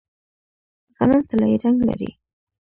غنم طلایی رنګ لري.